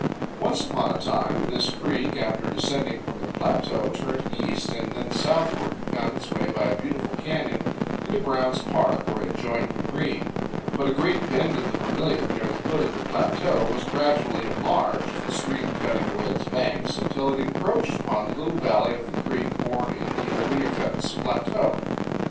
"Once upon a time" this creek, after descending from the plateau, turned east and then southward and found its way by a beautiful canyon into Brown's Park, where it joined the Green; but a great bend of the Vermilion, near the foot of the plateau, was gradually enlarged the stream cutting away its banks until it encroached upon the little valley of the creek born on the Owiyukuts Plateau.